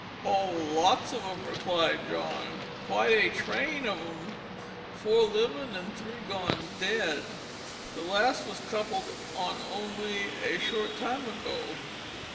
"Oh, lots of 'em," replied John, "quite a train of 'em; four livin' an' three gone dead. The last was coupled on only a short time ago.